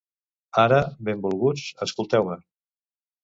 Ara, benvolguts, escolteu-me!